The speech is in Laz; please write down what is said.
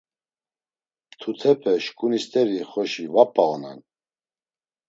Mtutepe, şǩuni st̆eri xoşi va p̌a onan.